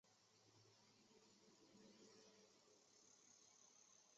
有省内客运巴士可前往阿讷西。